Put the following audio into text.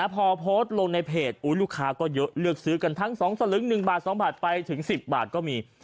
พอโพสต์ลงในเพจลูกค้าก็เยอะเลือกซื้อกันทั้ง๒สลึง๑บาท๒บาทไปถึง๑๐บาทก็มี